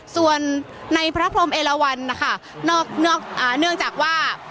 ส่วนในพระพรมเอลวันนะคะนอกนอกอ่าเนื่องจากว่า